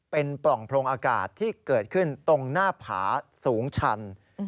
เป็นปล่องโพรงอากาศที่เกิดขึ้นตรงหน้าผาสูงชัน